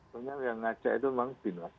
soalnya yang ngajak itu memang bin mas